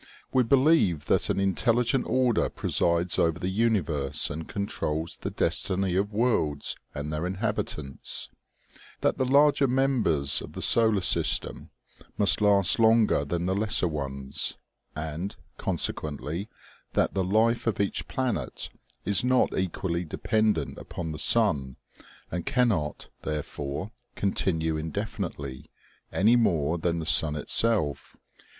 We believe that an intelligent order presides over the universe and controls the destiny of worlds and their inhabitants ; that the larger members of the solar system must last longer than the lesser ones, and, consequently, that the life of each planet is not equally dependent upon the sun, and cannot, therefore, continue indefinitely, any more than the sun itself.